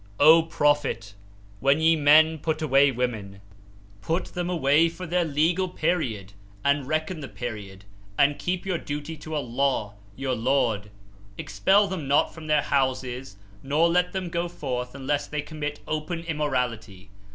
P: O Prophet! When ye (men) put away women, put them away for their (legal) period and reckon the period, and keep your duty to Allah, your Lord. Expel them not from their houses nor let them go forth unless they commit open immorality.